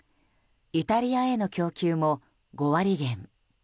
イタリアへの供給も５割減。